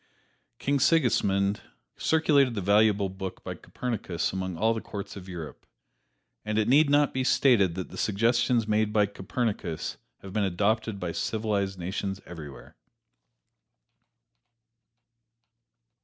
King Sigismund circulated this valuable book by Copernicus among all the courts of Europe, and it need not be stated that the suggestions made by Copernicus have been adopted by civilized nations everywhere.